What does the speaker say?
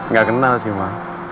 gak kenal sih ma